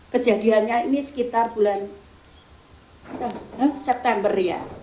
kejadiannya ini sekitar bulan september ya